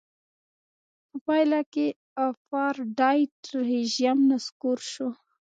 په پایله کې اپارټایډ رژیم نسکور شو.